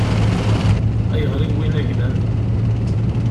Ayɣer i wwin ayla-m?